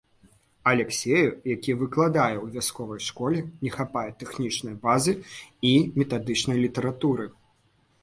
Аляксею, які выкладае ў вясковай школе, не хапае тэхнічнай базы і метадычнай літаратуры.